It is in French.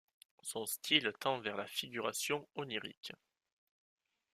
Son style tend vers la figuration onirique.